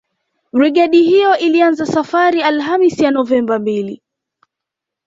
Brigedi hiyo ilianza safari Alhamisi ya Novemba mbili